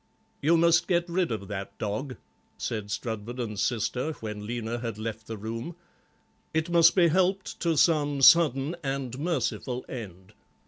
"You must get rid of that dog," said Strudwarden's sister when Lena had left the room; "it must be helped to some sudden and merciful end.